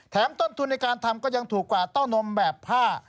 ต้นทุนในการทำก็ยังถูกกว่าเต้านมแบบผ้า